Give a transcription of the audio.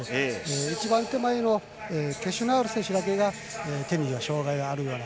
一番手前のケシュナル選手だけが手に障がいがあるような。